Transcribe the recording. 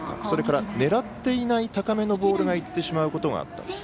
それから狙っていない高めのボールがいってしまうことがあったと。